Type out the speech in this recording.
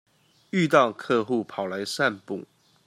遇到客戶跑來散步